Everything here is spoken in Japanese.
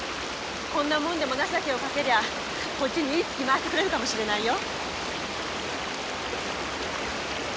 こんなもんでも情けをかけりゃこっちにいいツキ回してくれるかもしれないよ。